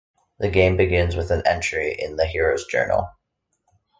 The game begins with an entry in the hero's journal.